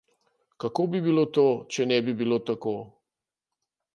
Kako bi bilo to, če ne bi bilo tako?